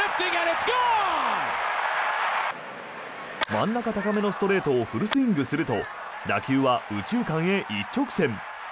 真ん中高めのストレートをフルスイングすると打球は右中間へ一直線。